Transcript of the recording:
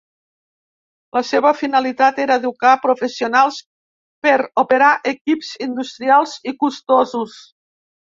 La seva finalitat era educar a professionals per operar equips industrials i costosos.